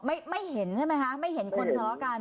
ไม่ไม่เห็นใช่ไหมคะไม่เห็นคนทะเลาะกัน